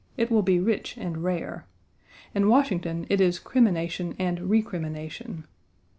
It will be rich and rare. In Washington, it is crimination and recrimination.